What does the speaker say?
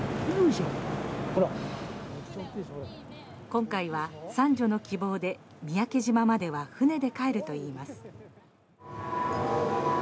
今回は三女の希望で三宅島までは船で帰るといいます。